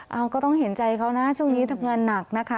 เอาก็ต้องเห็นใจเขานะช่วงนี้ทำงานหนักนะคะ